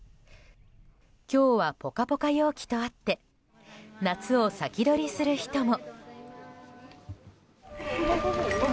今日はポカポカ陽気とあって夏を先取りする人も。